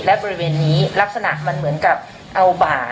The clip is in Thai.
และบริเวณนี้ลักษณะมันเหมือนกับเอาบ่า